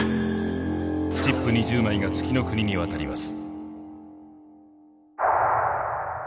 チップ２０枚が月ノ国に渡ります。